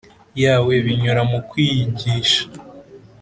yawe binyuriye mu kwiyigisha